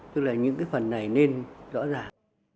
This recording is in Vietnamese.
tức là những cái phần này nên rõ ràng